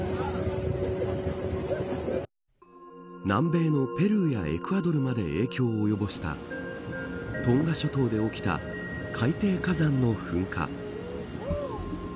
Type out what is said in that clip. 南米のペルーやエクアドルまで影響を及ぼしたトンガ諸島で起きた海底火山の噴火。